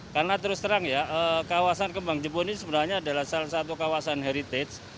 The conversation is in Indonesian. karena terus terang ya kawasan kembang jepun ini sebenarnya adalah salah satu kawasan heritage